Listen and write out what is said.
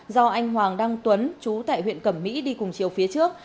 do anh hoàng đăng tuấn chú tại huyện cẩm mỹ đi cùng chiều phía trước